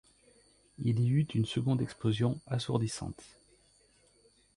Il y eut une seconde explosion assourdissante.